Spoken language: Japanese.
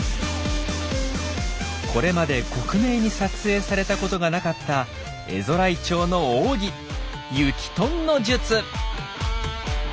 これまで克明に撮影されたことがなかったエゾライチョウの奥義「雪とんの術」。